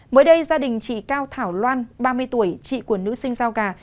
mới đây gia đình chị cao thảo loan ba mươi tuổi chị của nữ sinh giao gà